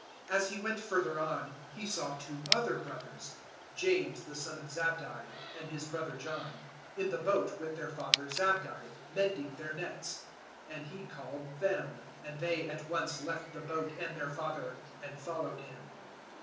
As He went further on, 004:021 He saw two other brothers, James the son of Zabdi and his brother John, in the boat with their father Zabdi mending their nets; and He called them. 004:022 And they at once left the boat and their father, and followed Him.